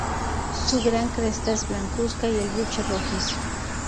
Su gran cresta es blancuzca, y el buche rojizo.